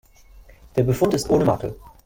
Der Befund ist ohne Makel.